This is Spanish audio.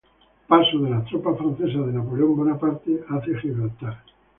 Paso de las tropas francesas de Napoleón Bonaparte hacia Gibraltar.